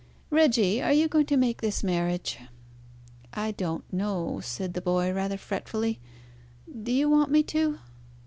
Reggie, are you going to make this marriage?" "I don't know," said the boy, rather fretfully. "Do you want me to?"